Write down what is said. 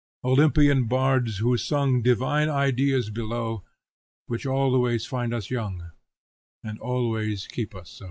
Olympian bards who sung Divine ideas below, Which always find us young, And always keep us so.